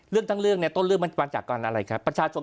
เรื่องทั้งเรื่องเนี่ยต้นเรื่องมันจะมาจากกันอะไรครับ